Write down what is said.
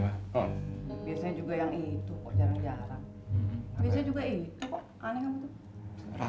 biasanya juga yang itu kok jarang jarang